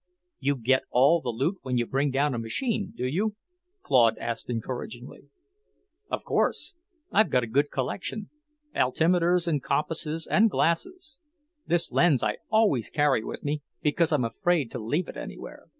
"You get all the loot when you bring down a machine, do you?" Claude asked encouragingly. "Of course. I've a good collection; altimeters and compasses and glasses. This lens I always carry with me, because I'm afraid to leave it anywhere."